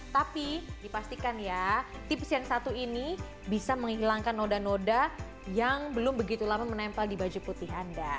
tapi dipastikan ya tips yang satu ini bisa menghilangkan noda noda yang belum begitu lama menempel di baju putih anda